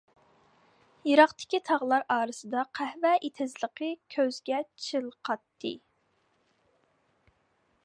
يىراقتىكى تاغلار ئارىسىدا قەھۋە ئېتىزلىقى كۆزگە چېلىقاتتى.